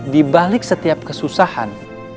dibalik setiap kesusahan